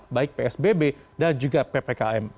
baik psbb dan juga ppkm